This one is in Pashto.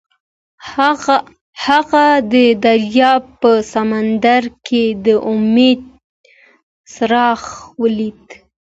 هغه د دریاب په سمندر کې د امید څراغ ولید.